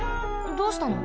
どうしたの？